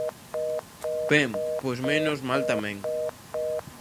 Ben, pois menos mal tamén.